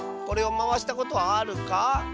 これをまわしたことはあるか？